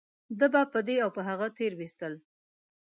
ده به په دې او په هغه تېرويستل .